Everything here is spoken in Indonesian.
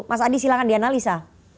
mas adi silahkan dianalisa